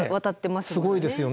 すごいですよね。